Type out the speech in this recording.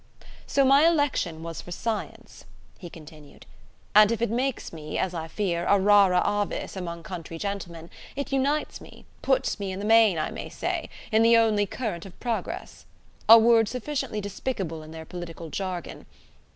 "So my election was for Science," he continued; "and if it makes me, as I fear, a rara avis among country gentlemen, it unites me, puts me in the main, I may say, in the only current of progress a word sufficiently despicable in their political jargon.